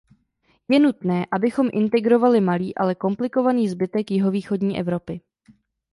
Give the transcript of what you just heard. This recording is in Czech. Je nutné, abychom integrovali malý, ale komplikovaný zbytek jihovýchodní Evropy.